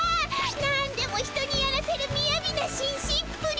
なんでも人にやらせるみやびなしんしっぷり。